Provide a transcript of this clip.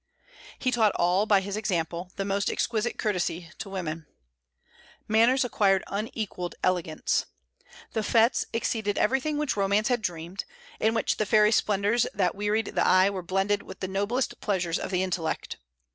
He taught all, by his example, the most exquisite courtesy to women. Manners acquired unequalled elegance. The fêtes exceeded everything which romance had dreamed, in which the fairy splendors that wearied the eye were blended with the noblest pleasures of the intellect.